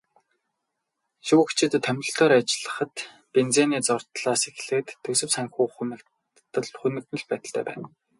Шүүгчид томилолтоор ажиллахад бензиний зардлаас эхлээд төсөв санхүү хумигдмал байдалтай байна.